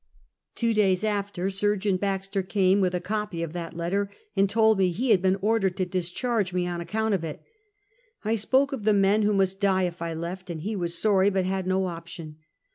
Two days after Surgeon Baxter came, with a copy of that letter, and told me he had been ordered to dis charge me on account of it. I spoke of the men who must die if I left, and he was sorry but had no option.